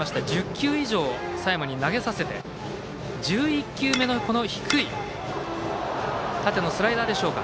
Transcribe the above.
１０球以上佐山に投げさせて、１１球目の低い縦のスライダーでしょうか。